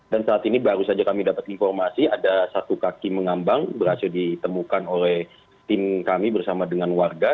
dan saat ini baru saja kami dapat informasi ada satu kaki mengambang berhasil ditemukan oleh tim kami bersama dengan warga